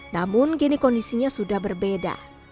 namun kini kondisinya sudah berbeda